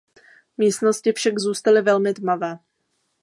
Místnosti však zůstaly velmi tmavé.